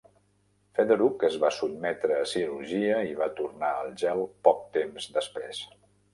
Fedoruk es va sotmetre a cirurgia i va tornar al gel poc temps després.